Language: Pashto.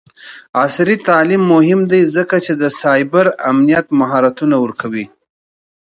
عصري تعلیم مهم دی ځکه چې د سایبر امنیت مهارتونه ورکوي.